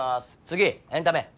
次エンタメ。